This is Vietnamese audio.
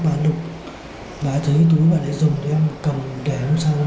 bà đục bà thấy túi bà lại dùng thì em cầm để ông xong ông